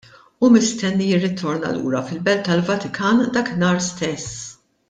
Hu mistenni jirritorna lura fil-Belt tal-Vatikan dakinhar stess.